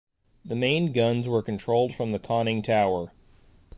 The main guns were controlled from the conning tower.